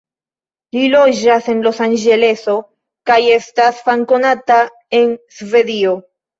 Li loĝas en Los-Anĝeleso kaj estas famkonata en Svedio.